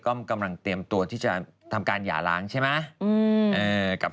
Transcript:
ก็กำลังเตรียมตัวที่จะทำการหย่าล้างใช่ไหม